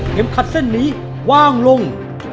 ขัดเส้นนี้ว่างลง